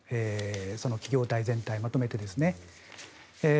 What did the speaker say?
その企業体全体をまとめてですね。